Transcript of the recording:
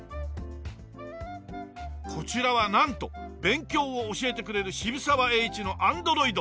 こちらはなんと勉強を教えてくれる渋沢栄一のアンドロイド！